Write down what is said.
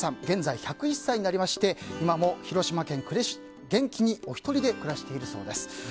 現在１０１歳になりまして今も広島県呉市で元気にお一人で暮らしているそうです。